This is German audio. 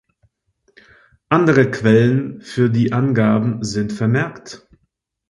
Andere Quellen für die Angaben sind vermerkt.